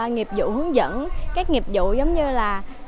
nghiệp vụ hướng dẫn các nghiệp vụ giống như là